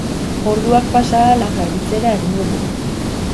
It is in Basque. Orduak pasa ahala garbitzera egingo du.